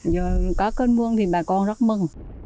giờ có cơn mương thì bà con rất mừng